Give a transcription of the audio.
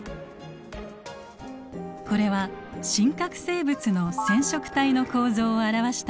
これは真核生物の染色体の構造を表したものです。